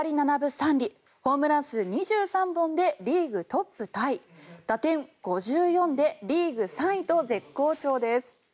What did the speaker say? ２厘ホームラン数２３本でリーグトップタイ打点５４でリーグ３位と絶好調です。